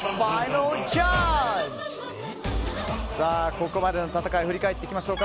ここまでの戦いを振り返っていきましょう。